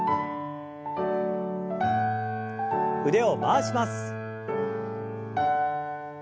腕を回します。